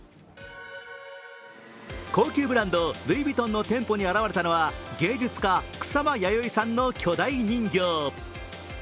高級ブランドルイ・ヴィトンの店舗に現れたのは芸術家・草間彌生さんの巨大人形。